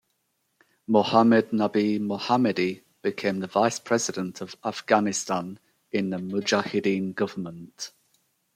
Mohammad Nabi Mohammadi became the Vice President of Afghanistan in the Mujahideen government.